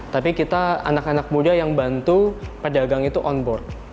tapi kita anak anak muda yang bantu pedagang itu on board